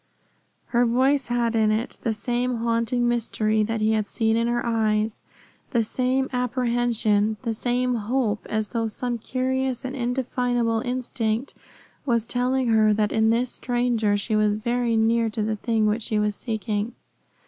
Her voice had in it the same haunting mystery that he had seen in her eyes, the same apprehension, the same hope, as though some curious and indefinable instinct was telling her that in this stranger she was very near to the thing which she was seeking.